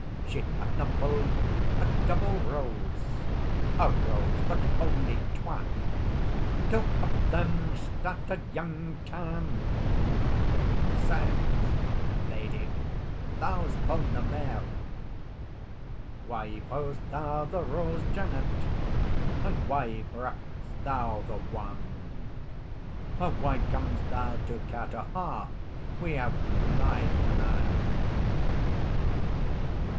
She had na pu'd a double rose, A rose but only twa, Till up then started young Tam Lin, Says, "Lady, thou's pu nae mae. "Why pu's thou the rose, Janet, And why breaks thou the wand? Or why comes thou to Carterhaugh Withoutten my command?"